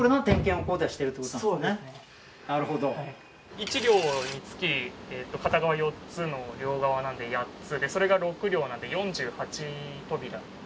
１両につき片側４つの両側なので８つでそれが６両なんで４８扉